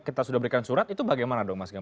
kita sudah berikan surat itu bagaimana dong mas gampa